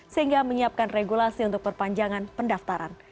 sehingga menyiapkan regulasi untuk perpanjangan pendaftaran